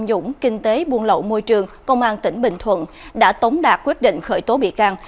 tham nhũng kinh tế buôn lậu môi trường công an tỉnh bình thuận đã tống đạt quyết định khởi tố bị can